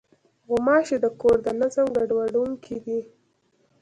غوماشې د کور د نظم ګډوډوونکې دي.